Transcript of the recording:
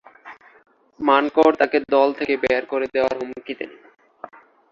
মানকড় তাকে দল থেকে বের করে দেয়ার হুমকি দেন।